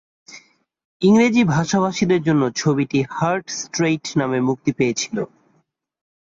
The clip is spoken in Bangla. ইংরেজি ভাষাভাষীদের জন্য ছবিটি হার্ট স্ট্রেইট নামে মুক্তি পেয়েছিল।